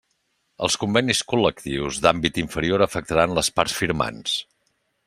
Els convenis col·lectius d'àmbit inferior afectaran les parts firmants.